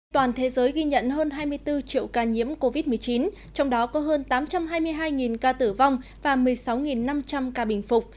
toàn thế giới ghi nhận hơn hai mươi bốn triệu ca nhiễm covid một mươi chín trong đó có hơn tám trăm hai mươi hai ca tử vong và một mươi sáu năm trăm linh ca bình phục